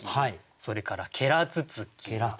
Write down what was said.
それから「けらつつき」。